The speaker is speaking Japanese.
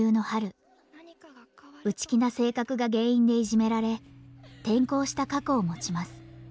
内気な性格が原因でいじめられ転校した過去を持ちます。